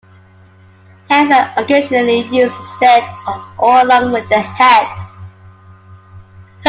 Hands are occasionally used instead of or along with the head.